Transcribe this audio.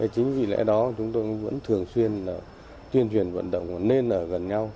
chính vì lẽ đó chúng tôi vẫn thường xuyên tuyên truyền vận động nên ở gần nhau